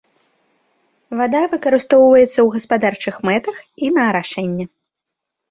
Вада выкарыстоўваецца ў гаспадарчых мэтах і на арашэнне.